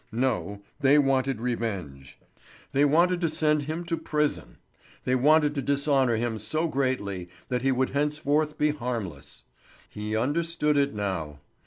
No, they wanted revenge. They wanted to send him to prison. They wanted to dishonour him so greatly that he would henceforth be harmless. He understood it now.